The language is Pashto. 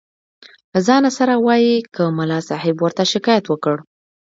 له ځانه سره وایي که ملا صاحب ورته شکایت وکړ.